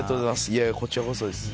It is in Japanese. いやいやこちらこそです。